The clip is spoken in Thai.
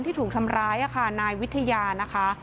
ที่ถูกทำร้ายนะคะนายวิทยานะคะ